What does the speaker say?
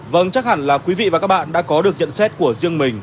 vâng chắc hẳn là quý vị và các bạn đã có được nhận xét của riêng mình